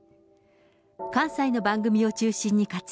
関西の番組を中心に活躍。